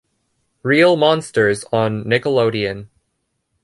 Real Monsters on Nickelodeon.